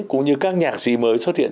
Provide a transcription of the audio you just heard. cũng như các nhạc sĩ mới xuất hiện